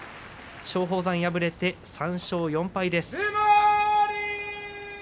松鳳山、敗れて３勝４敗です。